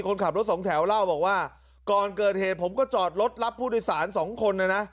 คนขับรถสองแถวเล่าบอกว่าก่อนเกิดเหตุผมก็จอดรถรับผู้โดยสารสองคนนะนะ